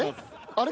あれ？